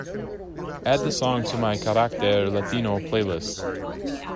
Add the song to my carácter latino playlist.